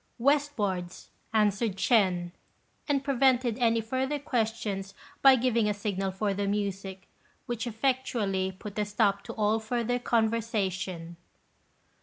"Westwards," answered Ch'ên, and prevented any further questions by giving a signal for the music, which effectually put a stop to all further conversation.